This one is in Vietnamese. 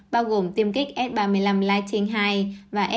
bao gồm tiêm kích s ba mươi năm lighthouse